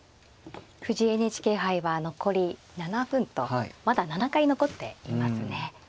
藤井ＮＨＫ杯は残り７分とまだ７回残っていますね。